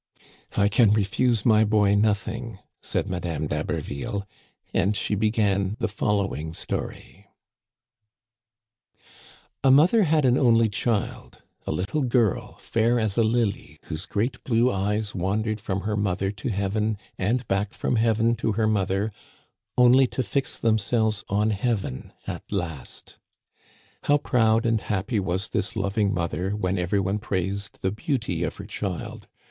'*" I can refuse my boy nothing," said Madame d'Ha berville ; and she began the following story :" A mother had an only child, a little girl, fair as a lily, whose great blue eyes wandered from her mother to heaven and back from heaven to her mother, only to fix themselves on heaven at last How proud and happy was this loving mother when every one praised the beauty of her child!